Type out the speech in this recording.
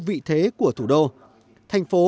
vị thế của thủ đô thành phố